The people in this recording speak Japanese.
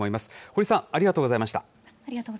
保里さん、ありがとうございました。